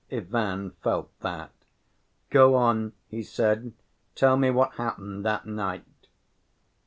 Ivan felt that. "Go on," he said. "Tell me what happened that night."